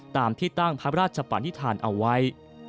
ตามที่ตั้งพระราชปณิธานเอาไว้